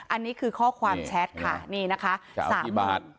อันนี้คือข้อความแชทค่ะนี่นะคะ๔บาท